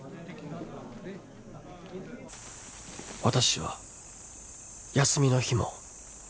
「私は休みの日も」